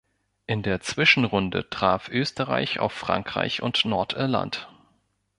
In der Zwischenrunde traf Österreich auf Frankreich und Nordirland.